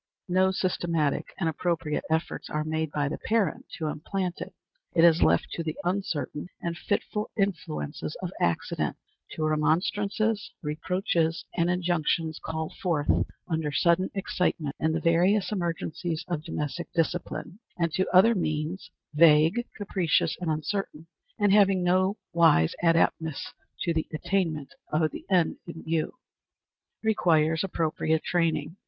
No systematic and appropriate efforts are made by the parent to implant it. It is left to the uncertain and fitful influences of accident to remonstrances, reproaches, and injunctions called forth under sudden excitement in the various emergencies of domestic discipline, and to other means, vague, capricious, and uncertain, and having no wise adaptedness to the attainment of the end in view. Requires appropriate Training.